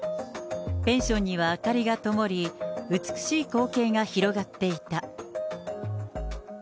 ペンションには明かりがともり、美しい光景が広がっていた。